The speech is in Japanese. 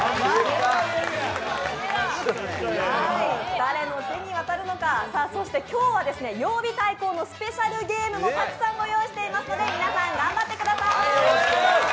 誰の手に渡るのか、そして、今日は曜日対抗のスペシャールゲームもたくさん用意していますので、皆さん頑張ってください。